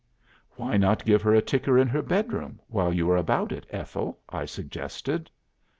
'" "'Why not give her a ticker in her bedroom while you are about it, Ethel?' I suggested."